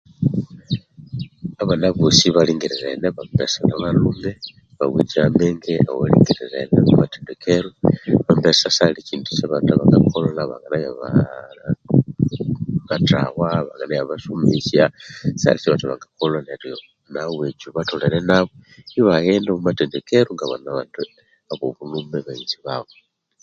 Abana bosi balingirirene abambesa nabalhumu omwakisomo kyamenge omwamamatendekero kusangwa bangabya batahwa babirisoma